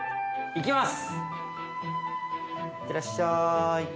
行きます